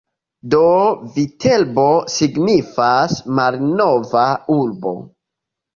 Do Viterbo signifas "malnova urbo".